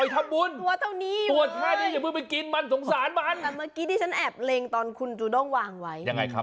คุณได้สังเกตบ้างมั้ยน่ะ